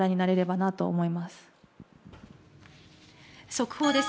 速報です。